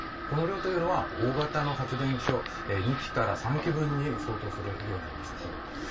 この量というのはの大型の発電所２基から３基分に相当する量になります。